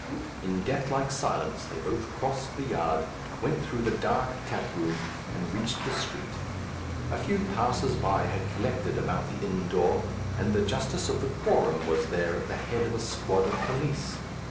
In death like silence they both crossed the yard, went through the dark taproom, and reached the street. A few passers by had collected about the inn door, and the justice of the quorum was there at the head of a squad of police.